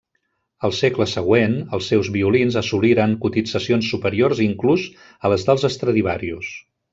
El segle següent, els seus violins assoliren cotitzacions superiors inclús a les dels Stradivarius.